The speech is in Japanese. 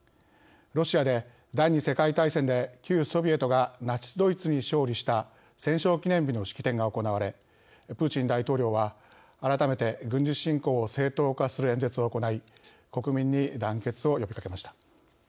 ロシアで、第２次世界大戦で旧ソビエトがナチスドイツに勝利した「戦勝記念日」の式典が行われプーチン大統領は、改めて軍事侵攻を正当化する演説を行い国民に団結を呼びかけました。